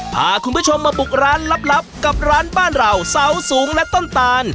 พาคุณผู้ชมมาบุกร้านลับกับร้านบ้านเราเสาสูงและต้นตาล